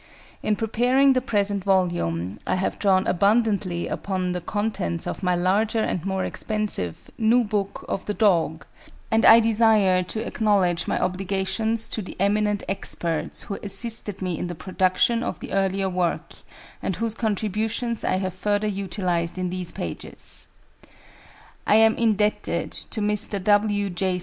In preparing the present volume, I have drawn abundantly upon the contents of my larger and more expensive New Book of The Dog, and I desire to acknowledge my obligations to the eminent experts who assisted me in the production of the earlier work and whose contributions I have further utilised in these pages. I am indebted to Mr. W. J.